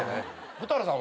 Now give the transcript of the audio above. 蛍原さんは？